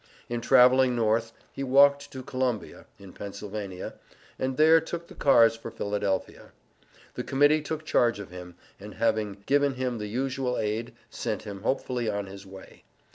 In traveling North, he walked to Columbia (in Pennsylvania), and there took the cars for Philadelphia. The Committee took charge of him, and having given him the usual aid, sent him hopefully on his way.